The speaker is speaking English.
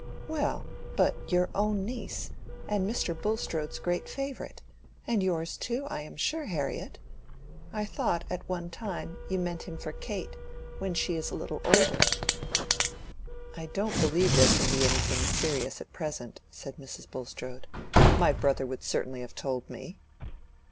"Well, but your own niece and Mr. Bulstrode's great favorite—and yours too, I am sure, Harriet! I thought, at one time, you meant him for Kate, when she is a little older." "I don't believe there can be anything serious at present," said Mrs. Bulstrode. "My brother would certainly have told me."